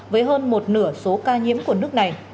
với hơn một nửa số ca nhiễm của nước này